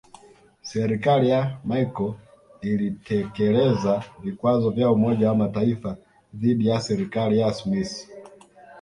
Serikali ya Machel ilitekeleza vikwazo vya Umoja wa Mataifa dhidi ya serikali ya Smith